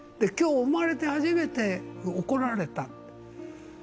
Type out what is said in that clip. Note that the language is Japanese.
きょう、生まれて初めて怒られた。